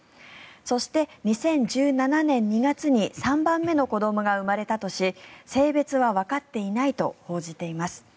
そして、２０１７年２月に３番目の子どもが生まれたとし性別はわかっていないと報じています。